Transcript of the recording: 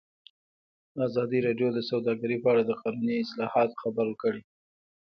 ازادي راډیو د سوداګري په اړه د قانوني اصلاحاتو خبر ورکړی.